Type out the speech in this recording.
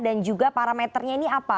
dan juga parameternya ini apa